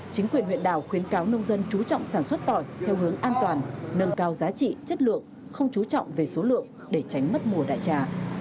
chính quyền huyện đảo khuyến cáo nông dân chú trọng sản xuất tỏi theo hướng an toàn nâng cao giá trị chất lượng không chú trọng về số lượng để tránh mất mùa đại trà